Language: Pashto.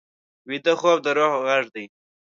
ویده خوب د روح غږ دی